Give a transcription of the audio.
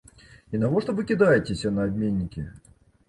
І навошта вы кідаецеся на абменнікі?